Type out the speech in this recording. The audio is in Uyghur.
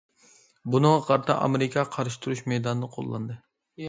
بۇنىڭغا قارىتا ئامېرىكا قارشى تۇرۇش مەيدانىنى قوللاندى.